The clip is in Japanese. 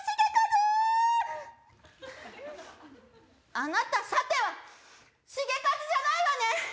あなたさてはシゲカズじゃないわね！